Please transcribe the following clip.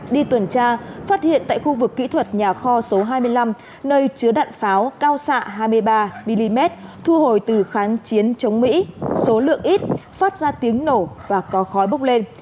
đi tuần tra phát hiện tại khu vực kỹ thuật nhà kho số hai mươi năm nơi chứa đạn pháo cao xạ hai mươi ba mm thu hồi từ kháng chiến chống mỹ số lượng ít phát ra tiếng nổ và có khói bốc lên